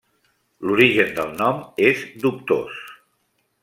L'origen del nom és dubtós.